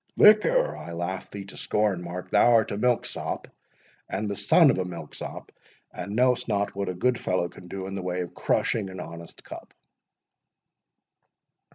"Liquor!—I laugh thee to scorn, Mark—thou art a milksop, and the son of a milksop, and know'st not what a good fellow can do in the way of crushing an honest cup."